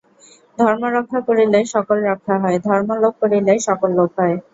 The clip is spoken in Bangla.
ধর্ম রক্ষা করিলে সকল রক্ষা হয়, ধর্ম লোপ করিলে সকল লোপ হয়।